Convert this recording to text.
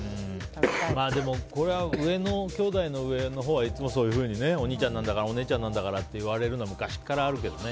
でも、これはきょうだいの上のほうはいつもそういうふうにお兄ちゃんなんだからお姉ちゃんなんだからって言われるのは昔からあるけどね。